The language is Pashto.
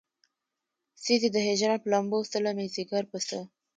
سيزې د هجران پۀ لمبو څله مې ځيګر پۀ څۀ